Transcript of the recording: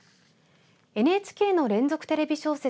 ＮＨＫの連続テレビ小説